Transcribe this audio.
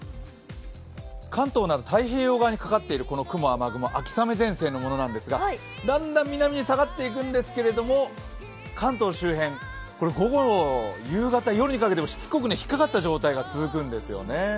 関東など太平洋側にかかっているこの雨雲、秋雨前線のものなんですが、だんだん南に下がっていくんですが関東周辺、ほぼ夕方夜にかけてもしつこくひっかかった状態が続くんですよね。